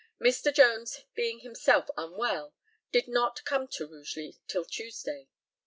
Mr. Jones being himself unwell, did not come to Rugeley till Tuesday.